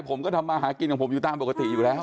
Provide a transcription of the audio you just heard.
ผมก็ทำมาหากินของผมอยู่ตามปกติอยู่แล้ว